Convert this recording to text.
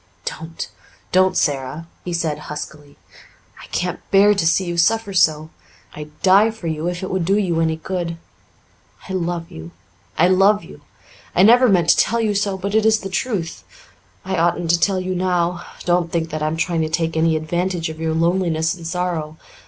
"Don't don't, Sara," he said huskily. "I can't bear to see you suffer so. I'd die for you if it would do you any good. I love you I love you! I never meant to tell you so, but it is the truth. I oughtn't to tell you now. Don't think that I'm trying to take any advantage of your loneliness and sorrow.